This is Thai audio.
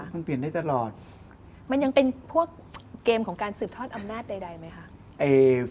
มันยังเป็นพวกเกมของการสืบทอดอำนาจใดไหมคะ